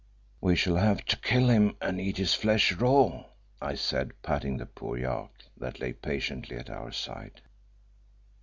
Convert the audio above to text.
"We shall have to kill him and eat his flesh raw," I said, patting the poor yak that lay patiently at our side.